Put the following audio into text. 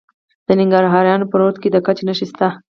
د ننګرهار په روداتو کې د ګچ نښې شته.